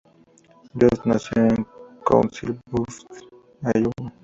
Yost nació en Council Bluffs, Iowa.